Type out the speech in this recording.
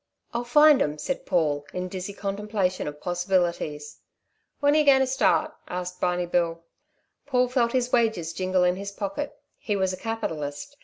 "I'll find 'em," said Paul, in dizzy contemplation of possibilities. "When are yer going to start?" asked Barney Bill. Paul felt his wages jingle in his pocket. He was a capitalist.